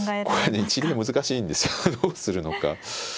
これね一例が難しいんですよどうするのか。